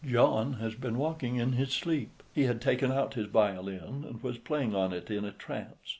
John has been walking in his sleep; he had taken out his violin and was playing on it in a trance.